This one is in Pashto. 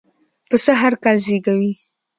پسه هرکال زېږوي.